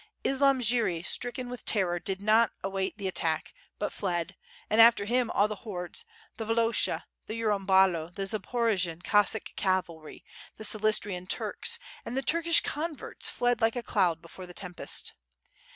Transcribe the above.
Islam Girey stricken with terror did not await the attack, but fled, and after him all the hordes, the Volosha, the Urum balo, the Zaporojian Cossack cavalry, the Silistrian Turks, and the Turkish converts fled like a cloud before the tempest.